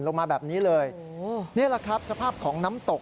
ลงมาแบบนี้เลยนี่แหละครับสภาพของน้ำตก